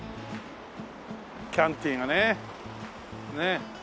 キャンティがねねえ。